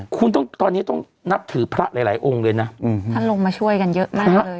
คุณต้องตอนนี้ต้องนับถือพระหลายองค์เลยนะท่านลงมาช่วยกันเยอะมากเลย